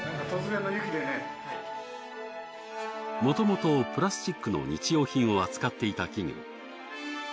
もともとプラスチックの日用品を扱っていた企業。